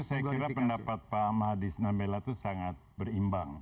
saya kira pendapat pak mahadis nambela itu sangat berimbang